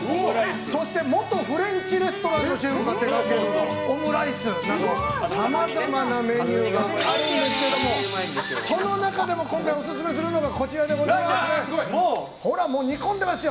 そして元フレンチレストランのシェフが手掛けるオムライスさまざまなメニューがあるんですけどその中でも今回オススメするのが煮込んでますよ！